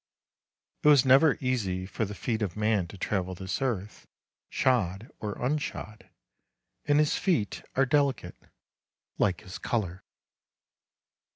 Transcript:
It was never easy for the feet of man to travel this earth, shod or unshod, and his feet are delicate, like his colour.